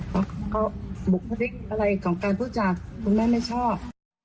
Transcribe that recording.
เพราะบุคลิกอะไรของการพูดจากคุณแม่ไม่ชอบ